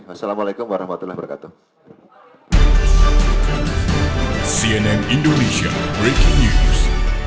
wassalamu'alaikum warahmatullahi wabarakatuh